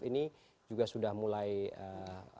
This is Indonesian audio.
begitu juga pak muradi tadi mengatakan bahwa trend tentang citra positif